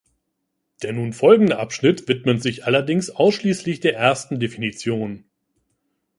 Der nun folgende Abschnitt widmet sich allerdings ausschließlich der ersten Definition.